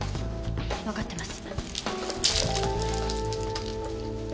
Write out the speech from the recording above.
わかってます。